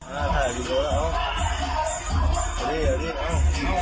เอาดีเอาดีเอา